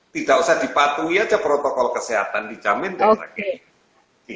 tidak usah dipatuhi aja protokol kesehatan dijamin dan sebagainya